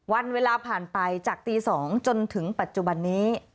วันเวลาผ่านไปจากตี๒จนถึงปัจจุบันนี้